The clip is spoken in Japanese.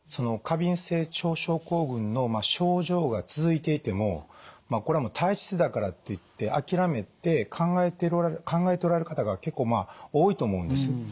過敏性腸症候群の症状が続いていてもこれはもう体質だからといって諦めて考えておられる方が結構まあ多いと思うんです。